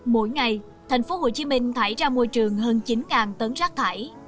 mỗi ngày thành phố hồ chí minh thải ra môi trường hơn chín tấn rác thải